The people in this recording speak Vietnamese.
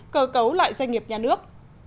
cơ cấu lại doanh nghiệp nhà nước